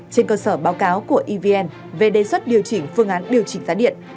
trên cơ sở báo cáo của evn về đề xuất điều chỉnh phương án điều chỉnh giá điện